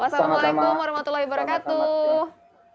wassalamualaikum warahmatullahi wabarakatuh